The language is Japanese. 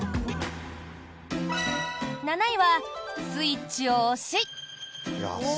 ７位は、スイッチを押し。